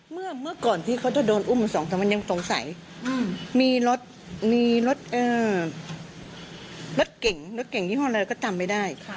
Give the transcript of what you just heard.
เมื่อก่อนที่เขาโดนอุ่มสองสับวันอย่างตรงใสมีรถเก่งยี่ห้อเราก็จำไม่ได้